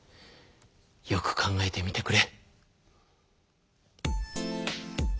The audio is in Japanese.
よく考えてみてくれ。